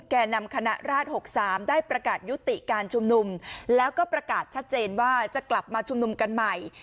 แก่นำคณะราช๖๓ได้ประกาศยุติการชุมนุมแล้วก็ประกาศชัดเจนว่าจะกลับมาชุมนุมกันใหม่